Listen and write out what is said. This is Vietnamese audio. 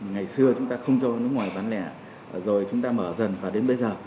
ngày xưa chúng ta không cho nước ngoài bán lẻ rồi chúng ta mở dần và đến bây giờ